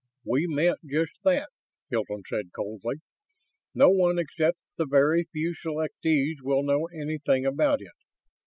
We meant just that," Hilton said, coldly. "No one except the very few selectees will know anything about it.